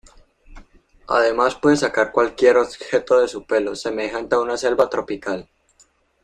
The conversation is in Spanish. Además puede sacar cualquier objeto de su pelo, semejante a una selva tropical.